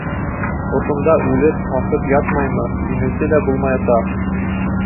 Ошонда үлеп, һаҫып ятмаймы, инеүсе лә булмаясаҡ.